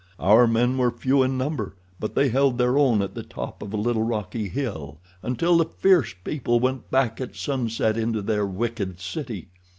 Our men were few in number, but they held their own at the top of a little rocky hill, until the fierce people went back at sunset into their wicked city.